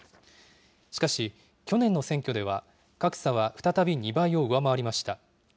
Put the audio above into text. しかし、去年の選挙では、格差は再び２倍を上回りました。